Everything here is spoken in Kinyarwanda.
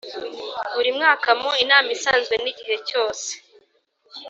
Buri mwaka mu inama isanzwe n’igihe cyose